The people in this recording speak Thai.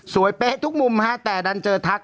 เป๊ะทุกมุมฮะแต่ดันเจอทัก